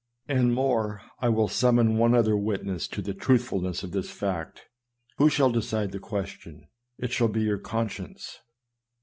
" And more, I will summon one other witness to the truthfulness of this fact, who shall decide the question : 236 SERMONS. it shall be your conscience.